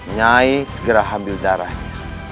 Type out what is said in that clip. nyai segera ambil darahnya